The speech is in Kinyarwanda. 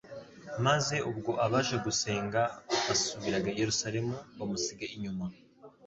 maze ubwo abaje gusenga basubiraga i Yerusalemu, bamusiga inyuma